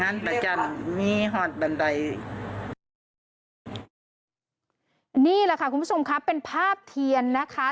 นี่แหละค่ะคุณผู้ชมครับเป็นภาพเทียนนะคะ